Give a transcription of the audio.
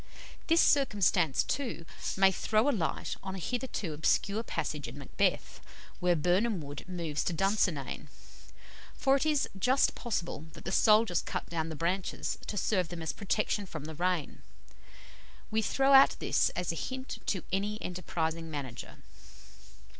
This circumstance, too, may throw a light on a hitherto obscure passage in "Macbeth," where Birnam Wood moves to Dunsinane for it is just possible that the soldiers cut down the branches to serve them as a protection from the rain. We throw out this as a hint to any enterprising manager.